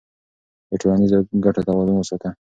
د ټولنیزو ګټو توازن وساته.